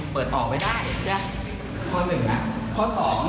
สิแล้ว